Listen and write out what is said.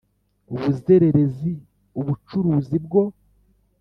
ubuzererezi ubucuruzi bwo